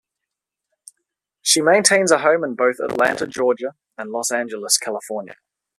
She maintains a home in both Atlanta, Georgia and Los Angeles, California.